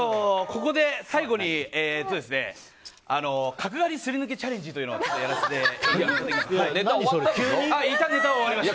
ここで最後に角刈りすり抜けチャレンジというのをやらせていただきます。